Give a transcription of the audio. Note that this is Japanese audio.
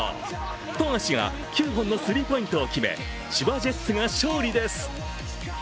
富樫が９本のスリーポイントを決め千葉ジェッツが勝利です。